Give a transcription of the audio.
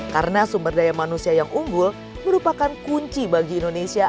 karena sumber daya manusia yang unggul merupakan kunci bagi indonesia